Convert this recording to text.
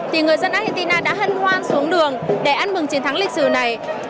thì người dân argentina đã hân hoan xuống đường để ăn mừng chiến thắng lịch sử này